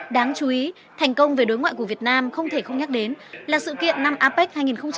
đáng chú ý thành công về đối ngoại của việt nam không thể không nhắc đến là sự kiện năm apec hai nghìn hai mươi